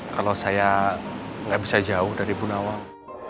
kalau saya nggak bisa jauh dari bu nawang